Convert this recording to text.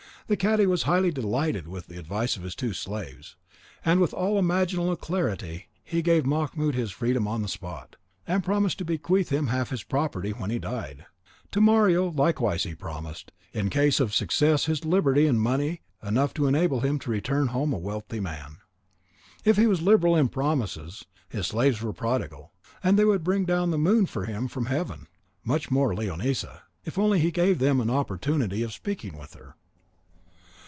The cadi was highly delighted with the advice of his two slaves, and with all imaginable alacrity he gave Mahmoud his freedom on the spot, and promised to bequeath him half his property when he died. To Mario likewise he promised, in case of success his liberty and money enough to enable him to return home a wealthy man. If he was liberal in promises, his slaves were prodigal; they would bring down the moon to him from Heaven, much more Leonisa, if only he gave them an opportunity of speaking with her.